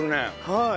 はい。